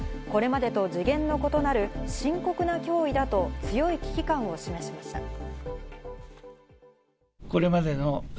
これまでと次元の異なる深刻な脅威だと強い危機感を示しました。